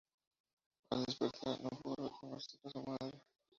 Al despertar, no pudo reconocer a su madre.